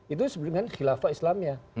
itu sebenarnya khilafah islamia